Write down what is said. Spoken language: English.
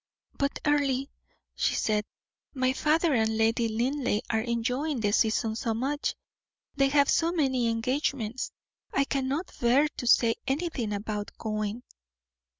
"But, Earle," she said, "my father and Lady Linleigh are enjoying the season so much, they have so many engagements, I cannot bear to say anything about going."